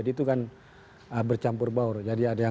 dia bekerja gitu ya